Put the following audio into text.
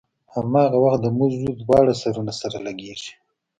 هماغه وخت د مزو دواړه سرونه سره لګېږي.